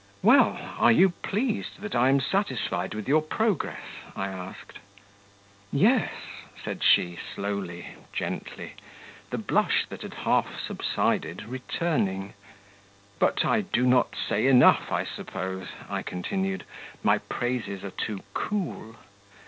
"Well, are you pleased that I am satisfied with your progress?" I asked. "Yes," said she slowly, gently, the blush that had half subsided returning. "But I do not say enough, I suppose?" I continued. "My praises are too cool?"